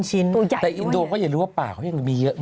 ตัวใหญ่ด้วยแต่อินโดนิเซียก็อย่ารู้ว่าป่าเขายังมีเยอะ